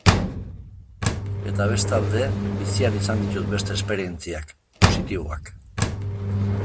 Eta, bestalde, bizian izan ditut beste esperientziak, positiboak.